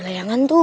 ada layangan tuh